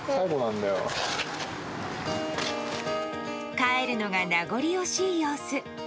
帰るのが名残惜しい様子。